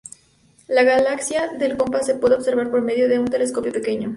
La galaxia del compás se puede observar por medio de un telescopio pequeño.